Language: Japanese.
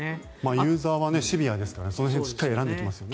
ユーザーはシビアですからその辺しっかり選んでいきますよね。